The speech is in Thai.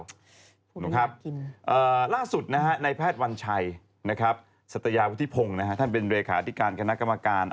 เหมือนกับล่าสุดนะในแพทย์วัญชัยนะครับศติยาพุทธิพงค์นะฮะแทนเป็นเรขาทิการคณะกรรมการอาหาร